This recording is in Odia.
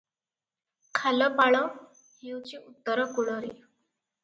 ଖାଲପାଳ ହେଉଛି ଉତ୍ତର କୂଳରେ ।